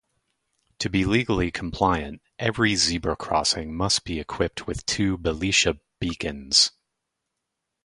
To be legally compliant, every zebra crossing must be equipped with two Belisha beacons.